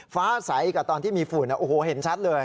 ฟ้าใสกับตอนที่มีฝุ่นโอ้โหเห็นชัดเลย